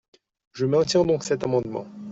Je maintiens donc cet amendement.